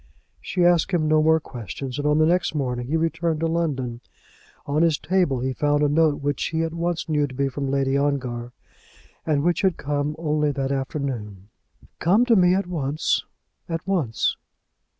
She asked him no more questions, and on the next morning he returned to London. On his table he found a note which he at once knew to be from Lady Ongar, and which had come only that afternoon. "Come to me at once; at once."